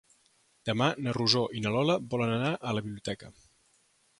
Demà na Rosó i na Lola volen anar a la biblioteca.